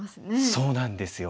そうなんですよ。